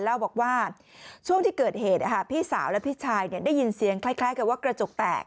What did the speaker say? เล่าบอกว่าช่วงที่เกิดเหตุพี่สาวและพี่ชายได้ยินเสียงคล้ายกับว่ากระจกแตก